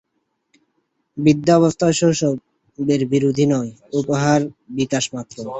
বৃদ্ধাবস্থা শৈশবের বিরোধী নয়, উহার বিকাশমাত্র।